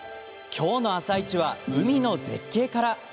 きょうのあさイチは海の絶景から。